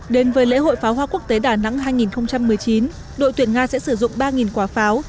đến với lễ hội pháo hoa quốc tế đà nẵng hai nghìn một mươi chín đội tuyển nga sẽ sử dụng ba quả pháo